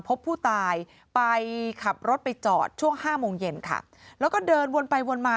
พบผู้ตายไปกลับรถจอดช่วง๕มงเย็นแล้วก็เดินวนไปวนมา